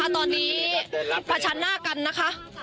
ตอนนี้ประชันหน้ากันนะคะ